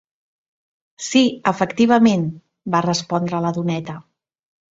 "Sí, efectivament" va respondre la doneta.